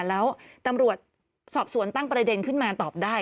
แล้วตำรวจสอบสวนตั้งประเด็นขึ้นมาตอบได้